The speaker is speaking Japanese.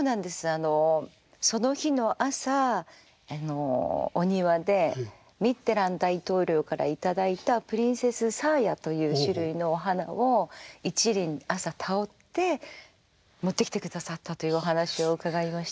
あのその日の朝お庭でミッテラン大統領から頂いたプリンセスサーヤという種類のお花を一輪朝手折って持ってきてくださったというお話を伺いました。